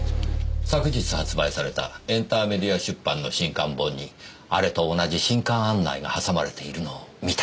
昨日発売されたエンターメディア出版の新刊本にあれと同じ新刊案内がはさまれているのを見たんです。